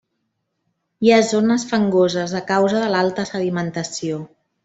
Hi ha zones fangoses a causa de l'alta sedimentació.